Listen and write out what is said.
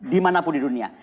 dimanapun di dunia